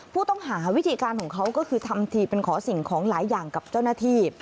ผู้ต้องหาวิธีการของเขาก็คือทำทีเป็นขอสิ่งของหลายอย่างกับเจ้าหน้าที่